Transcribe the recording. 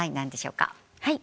はい。